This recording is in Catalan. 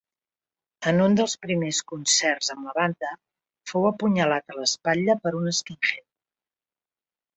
En un dels primers concerts amb la banda fou apunyalat a l'espatlla per un skinhead.